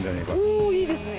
おおいいですね。